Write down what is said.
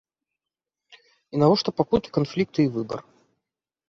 І навошта пакуты, канфлікты й выбар?